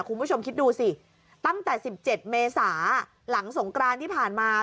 คุณผู้ชมคิดดูสิตั้งแต่๑๗เมษาหลังสงกรานที่ผ่านมา